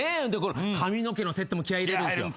髪の毛のセットも気合入れるんすよ。